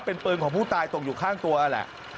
เป็นปืนของผู้ตายตกอยู่ข้างตัวแหละ